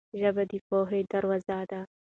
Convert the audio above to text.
ژبه د پوهې دروازه ده.